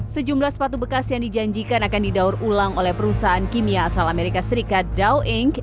sejumlah sepatu bekas yang dijanjikan akan didaur ulang oleh perusahaan kimia asal amerika serikat dow inc